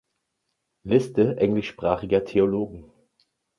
Liste englischsprachiger Theologen